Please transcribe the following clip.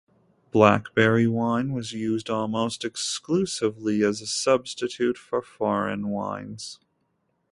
Blackberry wine was used almost exclusively as a substitute for foreign wines.